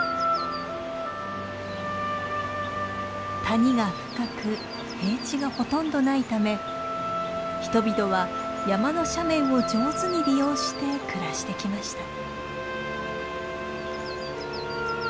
谷が深く平地がほとんどないため人々は山の斜面を上手に利用して暮らしてきました。